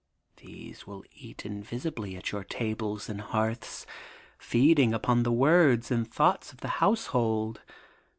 These will eat invisibly at your tables and hearths, feeding upon the words and thoughts of the household.